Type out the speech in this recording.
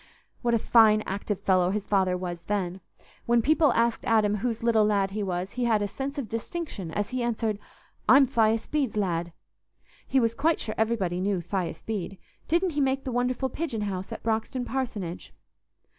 What a fine active fellow his father was then! When people asked Adam whose little lad he was, he had a sense of distinction as he answered, "I'm Thias Bede's lad." He was quite sure everybody knew Thias Bede—didn't he make the wonderful pigeon house at Broxton parsonage?